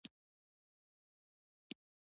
سنگ مرمر د افغانستان طبعي ثروت دی.